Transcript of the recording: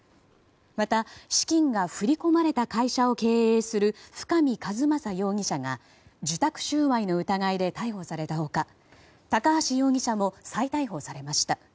また、資金が振り込まれた会社を経営する深見和政容疑者が受託収賄の疑いで逮捕された他高橋容疑者も再逮捕されました。